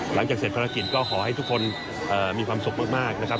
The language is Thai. หลังจากเสร็จภารกิจก็ขอให้ทุกคนมีความสุขมากนะครับ